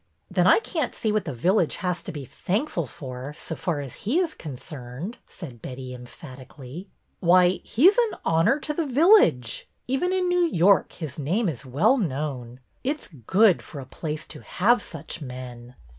" Then I can't see what the village has to be thankful for, so far as he is concerned," said Betty, emphatically. " Why, he 's an honor to the village. Even in New York his name is well known. It 's good for a place to have such men."